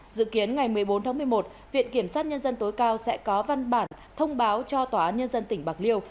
dự kiến ngày một mươi bốn tháng một mươi một viện kiểm sát nhân dân tối cao sẽ có văn bản thông báo cho tòa án nhân dân tỉnh bạc liêu